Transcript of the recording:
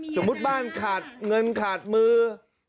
สมมุติบ้านขาดเงินขาดมือ